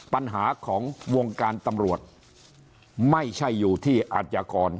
ปัญหาของวงการตำรวจไม่ใช่อยู่ที่อาชญากร